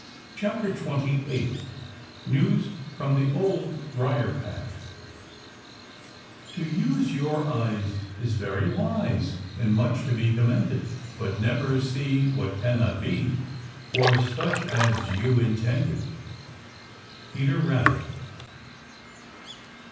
CHAPTER XXVIII NEWS FROM THE OLD BRIAR PATCH To use your eyes is very wise And much to be commended; But never see what cannot be For such as you intended. Peter Rabbit.